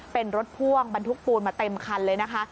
เป็นรถพ่วงบรรทุกปูนมาเต็มคันเลยนะคะ